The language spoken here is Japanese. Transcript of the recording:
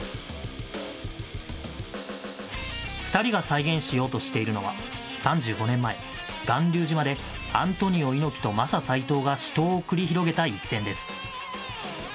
２人が再現しようとしているのは、３５年前、巌流島でアントニオ猪木とマサ斎藤が死闘を繰り広げた一戦です。